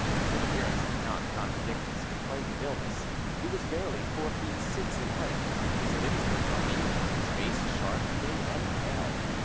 His appearance did not contradict his complaint of illness; he was barely four feet six in height, his limbs were bony, his face sharp, thin, and pale.